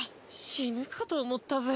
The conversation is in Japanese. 死ぬかと思ったぜ。